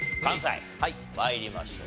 はい参りましょう。